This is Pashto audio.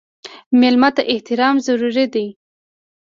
مېلمه ته احترام ضروري دی.